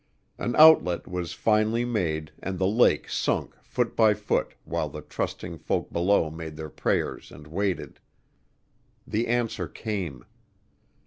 An outlet was finally made and the lake sunk foot by foot while the trusting folk below made their prayers and waited. The answer came.